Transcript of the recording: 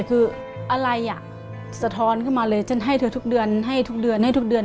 คืออะไรอ่ะสะท้อนขึ้นมาเลยฉันให้เธอทุกเดือนให้ทุกเดือนให้ทุกเดือน